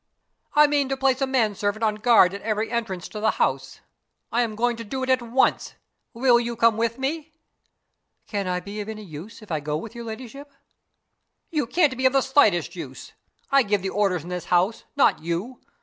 "I mean to place a man servant on guard at every entrance to the house. I am going to do it at once. Will you come with me?" "Can I be of any use if I go with your ladyship?" "You can't be of the slightest use. I give the orders in this house not you.